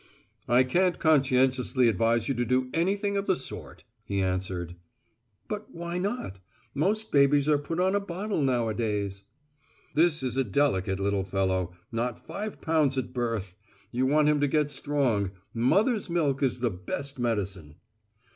"I can't conscientiously advise you to do anything of the sort," he answered. "But why not? Most babies are put on a bottle nowadays." "This one is a delicate little fellow not five pounds at birth. You want him to get strong mother's milk is the best medicine."